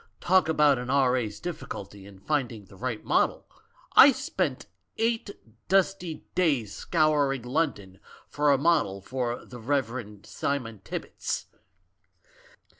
Talk about an R.A.'s difficulty in finding the right model? I spent eight dusty days scouring London for a model for the 'Rev. Simon Tibbits'!